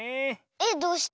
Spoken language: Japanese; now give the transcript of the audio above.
えっどうして？